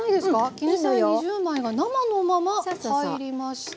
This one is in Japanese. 絹さや２０枚が生のまま入りました。